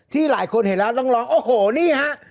หลายคนเห็นแล้วต้องร้องโอ้โหนี่ฮะ